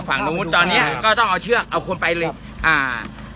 ฝั่งนู้นตอนเนี้ยก็ต้องเอาเชือกเอาคนไปเลยอ่า